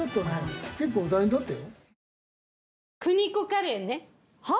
結構大変だったよ。